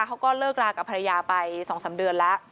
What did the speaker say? เขาก็เลิกรากับภรรยาไป๒๓เดือนแล้ว